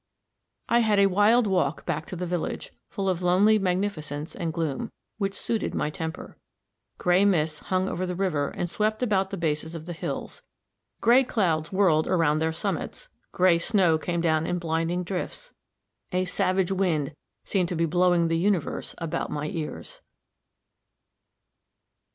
I had a wild walk back to the village full of lonely magnificence and gloom, which suited my temper. Gray mists hung over the river and swept about the bases of the hills; gray clouds whirled around their summits; gray snow came down in blinding drifts; a savage wind seemed to be blowing the universe about my ears.